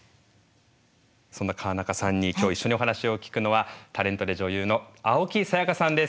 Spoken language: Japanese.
そんな川中さんに今日一緒にお話を聞くのはタレントで女優の青木さやかさんです。